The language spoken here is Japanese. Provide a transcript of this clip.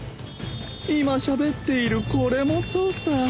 今しゃべっているこれもそうさ。